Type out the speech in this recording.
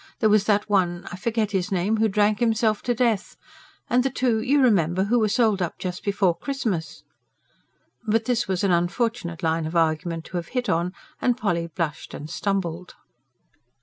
There was that one, I forget his name, who drank himself to death; and the two, you remember, who were sold up just before Christmas." But this was an unfortunate line of argument to have hit on, and Polly blushed and stumbled.